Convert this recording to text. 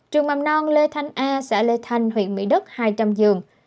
trường mầm non lê thanh a xã lê thanh huyện mỹ đức hai trăm linh giường